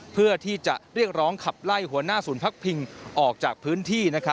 เพื่อที่จะเรียกร้องขับไล่หัวหน้าศูนย์พักพิงออกจากพื้นที่